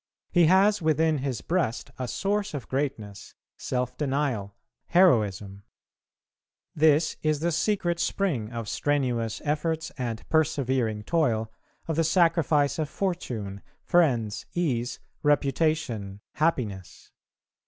He has within his breast a source of greatness, self denial, heroism. This is the secret spring of strenuous efforts and persevering toil, of the sacrifice of fortune, friends, ease, reputation, happiness.